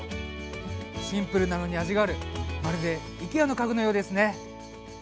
シンプルなのに味があるまるでＩＫＥＡの家具のようですね。